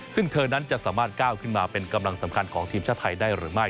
ซึ่งเธอนั้นจะสามารถก้าวขึ้นมาเป็นกำลังสำคัญของทีมชาติไทยได้หรือไม่